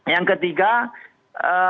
yang ketiga eee